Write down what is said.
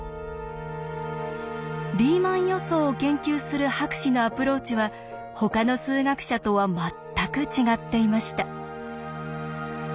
リーマン予想を研究する博士のアプローチはほかの数学者とは全く違っていました。